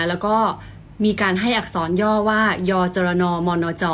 แล้วก็มีการให้อักษรย่อว่ายจรนมนจ